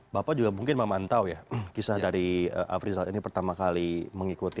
bapak juga mungkin memantau ya kisah dari afrizal ini pertama kali mengikuti